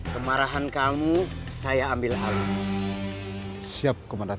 kemarahan kamu saya ambil alat siap komandan